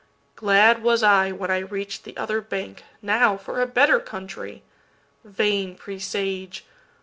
Glad was I when I reach'd the other bank. Now for a better country. Vain presage!